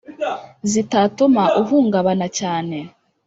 zitatuma uhungabana cyane.